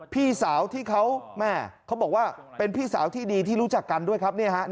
พี่สาวที่เขาแม่เขาบอกว่าเป็นพี่สาวที่ดีที่รู้จักกันด้วยครับเนี่ยฮะ